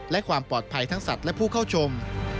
และความปลอดภัยทั้งสัตว์และผู้เข้าชม